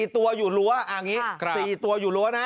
ตัวอยู่รั้วอย่างนี้๔ตัวอยู่รั้วนะ